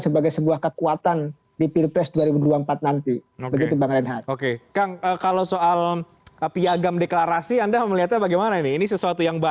bahwa ketika pilpres dan bilet dilaksanakan serentak